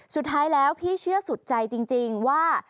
สุดท้ายแล้วพี่เชื่อสุดใจจริงว่า